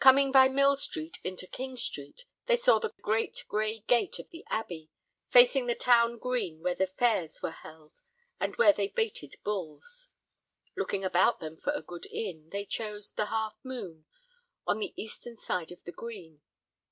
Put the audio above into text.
Coming by Mill Street into King Street they saw the great gray gate of the Abbey facing the town green where the fairs were held and where they baited bulls. Looking about them for a good inn, they chose "The Half Moon," on the eastern side of the green.